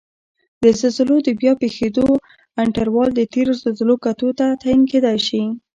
د زلزلو د بیا پېښیدو انټروال د تېرو زلزلو کتو ته تعین کېدای شي